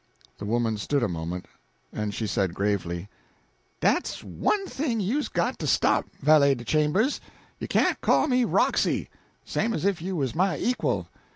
The woman stood a moment, then she said gravely: "Dat's one thing you's got to stop, Valet de Chambers. You can't call me Roxy, same as if you was my equal.